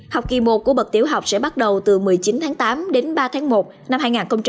học kỳ một của bậc tiểu học sẽ bắt đầu từ một mươi chín tháng tám đến ba tháng một năm hai nghìn hai mươi